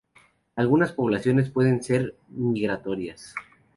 Algunas poblaciones pueden ser no migratorias.